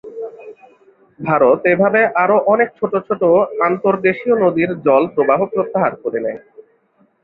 ভারত এভাবে আরও অনেক ছোট ছোট আন্তর্দেশীয় নদীর জল প্রবাহ প্রত্যাহার করে নেয়।